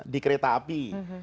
di kereta api